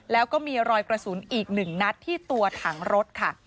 แล้วก็มีรอยกระสุนอีก๑นัดที่ตัวถังรถค่ะ